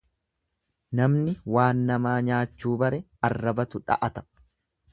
Namni waan namaa nyaachuu bare arrabatu dha'ata.